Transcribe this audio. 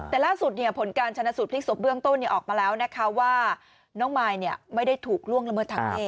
แต่ล่าสุดผลการชนะสูตพลิกศพเบื้องต้นออกมาแล้วนะคะว่าน้องมายไม่ได้ถูกล่วงละเมิดทางเพศ